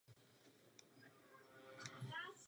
Místo toho těžba vyžaduje k výpočtu velké množství paměti.